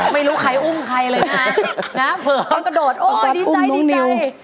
ไม่รู้ใครอุ้มใครเลยนะ